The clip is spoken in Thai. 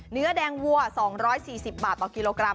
เนื้อแดงวัว๒๔๐บาทต่อกิโลกรัม